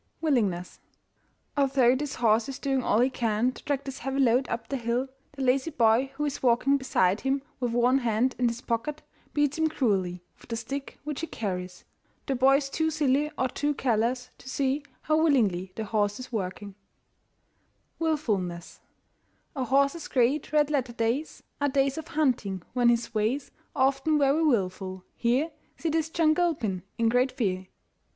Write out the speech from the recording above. WILLINGNESS. Although this horse is doing all he can to drag his heavy load up the hill, the lazy boy who is walking beside him, with one hand in his pocket, beats him cruelly with the stick which he carries. The boy is too silly or too careless to see how willingly the horse is working. WILFULNESS. A horse's great red letter days Are days of hunting, when his ways Are often very wilful. Here See this John Gilpin in great fear.